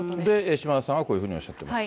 島田さんはこういうふうにおっしゃってます。